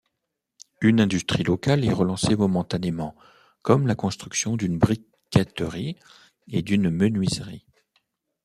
Une industrie locale est relancée momentanément, comme la construction d'une briqueterie et d'une menuiserie.